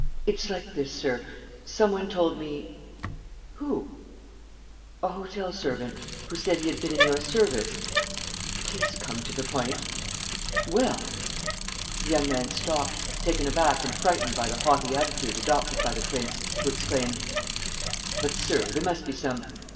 .." "It's like this, sir. ... Some one told me ..." "Who?" "A hotel servant ... who said he had been in your service. ..." "Please come to the point. ..." "Well! ..." The young man stopped, taken aback and frightened by the haughty attitude adopted by the prince, who exclaimed: "But, sir, there must be some